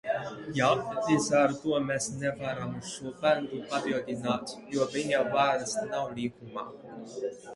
Jā, līdz ar to mēs nevaram šo pantu papildināt, jo viņa vairs nav likumā.